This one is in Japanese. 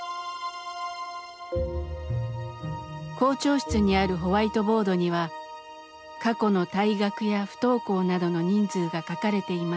校長室にあるホワイトボードには過去の退学や不登校などの人数が書かれています。